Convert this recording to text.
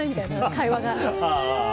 会話が。